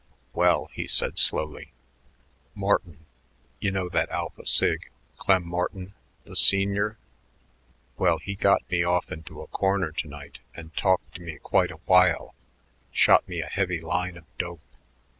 "Well," he began slowly, "Morton you know that Alpha Sig, Clem Morton, the senior well, he got me off into a corner to night and talked to me quite a while, shot me a heavy line of dope.